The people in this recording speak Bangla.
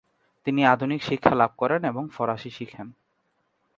তিনি আধুনিক শিক্ষা লাভ করেন এবং ফরাসি শিখেন।